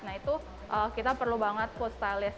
nah itu kita perlu banget food stylist